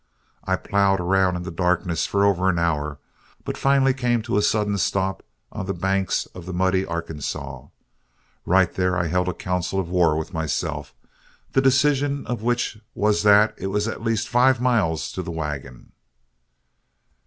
I ploughed around in the darkness for over an hour, but finally came to a sudden stop on the banks of the muddy Arkansaw. Right there I held a council of war with myself, the decision of which was that it was at least five miles to the wagon.